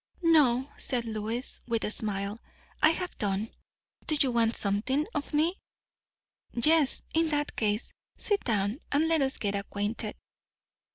"No," said Lois, with a smile; "I have done. Do you want something of me?" "Yes, in that case. Sit down, and let us get acquain'ted."